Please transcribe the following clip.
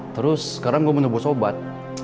terus sekarang gua menerbu sobat